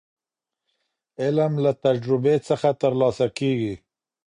علم له تجربې څخه ترلاسه کيږي.